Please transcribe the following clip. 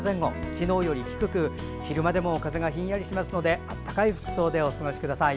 昨日より低く、昼間でも風がひんやりしますので暖かい服装でお過ごしください。